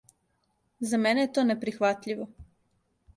За мене је то неприхватљиво.